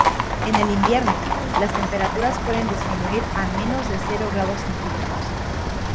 En el invierno, las temperaturas pueden disminuir a menos de cero grados centígrados.